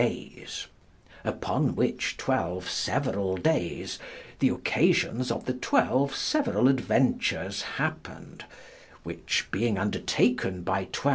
dayes, uppon which xii. severall dayes, the occasions of the xii. several adventures hapned, which being undertaken by xii.